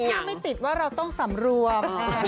ถ้าไม่ติดว่าเราต้องสำรวม